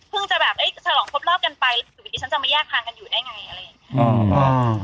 พึ่งจะแบบเอ๊ะฉลองพบเล่ากันไปคือวิธีฉันจะมาแยกทางกันอยู่ได้ไงอะไรอย่างนี้